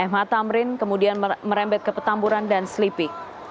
mh tamrin kemudian merembet ke petamburan dan selipi